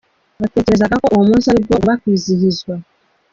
Batekerezagako uwo munsi ari bwo ugomba kwizihizwa.